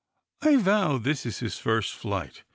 I vow this is his first flight.